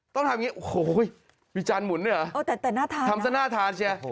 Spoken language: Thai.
ต้องทำอย่างงี้โอ้โหมีจานหมุนเนี่ยเหรอโอ้แต่แต่น่าทานนะทำสัตว์น่าทานใช่ไหม